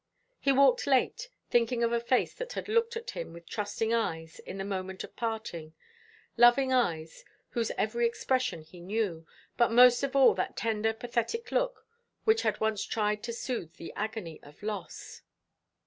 He walked late, thinking of a face that had looked at him with trusting eyes in the moment of parting, lovely eyes whose every expression he knew, but most of all that tender pathetic look which had once tried to soothe the agony of loss.